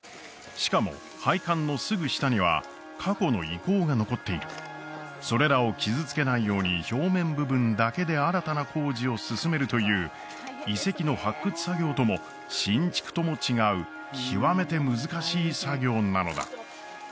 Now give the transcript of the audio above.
しかも配管のすぐ下には過去の遺構が残っているそれらを傷つけないように表面部分だけで新たな工事を進めるという遺跡の発掘作業とも新築とも違う極めて難しい作業なのだ